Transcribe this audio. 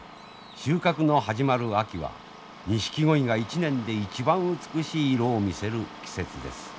収穫の始まる秋はニシキゴイが一年で一番美しい色を見せる季節です。